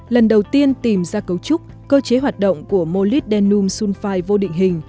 lần đầu tiên tìm ra cấu trúc cơ chế hoạt động của molybdenum sulfide vô định hình